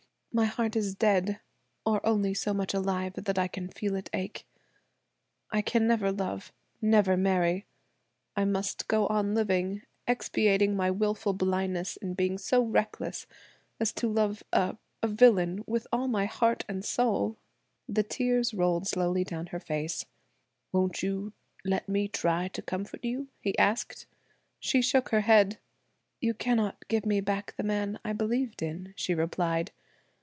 "My heart is dead, or only so much alive that I can feel it ache. I can never love–never marry. I must go on living–expiating my wilful blindness in being so reckless as to love a–a villain with all my heart and soul." The tears rolled slowly down her face. "Won't you let me try to comfort you?" he asked. She shook her head. "You cannot give me back the man I believed in," she replied.